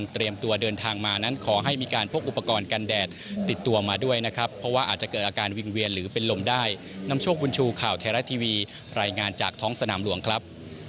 ตัวเดินทางมานั้นขอให้มีการพกอุปกรณ์กันแดดติดตัวมาด้วยนะครับเพราะว่าอาจจะเกิดอาการวิงเวียนหรือเป็นลมได้นำโชคบุญชูข่าวไทยรัฐทีวีรายงานจากท้องสนามหลวงครับ